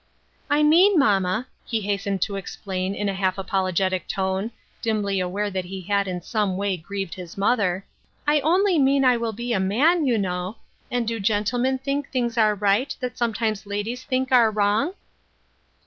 " I mean, mamma," he hastened to explain in a half apologetic tone, dimly aware that he had in some way grieved his mother — "I only mean I will be a man, you know ; and do gentlemen think things are right that sometimes ladies think are wrong